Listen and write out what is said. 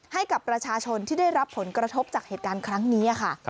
ให้กับประชาชนที่ได้รับผลกระทบจากเหตุการณ์ครั้งนี้ค่ะ